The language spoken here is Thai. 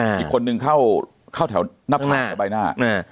อีกคนนึงเข้าเข้าแถวนับหน้าใบหน้าอ่ะอ่า